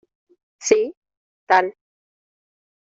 sí tal.